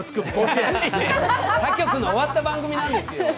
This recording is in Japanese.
他局の終わった番組なんですよ。